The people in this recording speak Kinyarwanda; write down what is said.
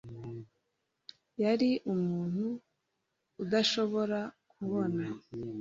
yari umuntu udashobora kuboha